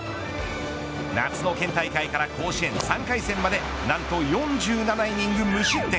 夏の県大会から甲子園３回戦まで何と４７イニング無失点。